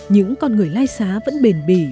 những con người lai xá vẫn bền bì với nghề